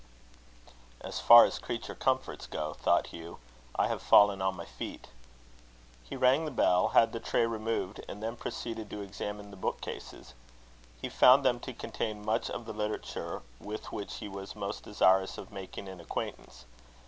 "As far as creature comforts go," thought Hugh, "I have fallen on my feet." He rang the bell, had the tray removed, and then proceeded to examine the book cases. He found them to contain much of the literature with which he was most desirous of making an acquaintance.